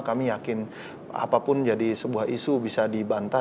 kami yakin apapun jadi sebuah isu bisa dibantah